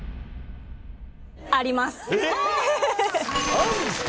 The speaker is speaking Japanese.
「あるんですか⁉」